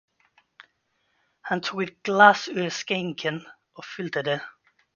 Han tog ett glas ur skänken och fyllde det.